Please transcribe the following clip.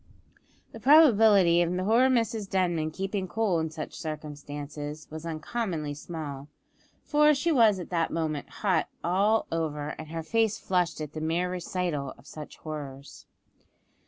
The probability of poor Mrs Denman keeping cool in such circumstances was uncommonly small; for she was at that moment hot all over, and her face flushed at the mere recital of such horrors!